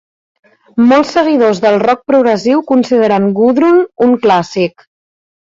Molts seguidors del rock progressiu consideren "Gudrun" un clàssic.